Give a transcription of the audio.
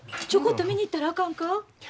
ちょこっと見に行ったらあかんか？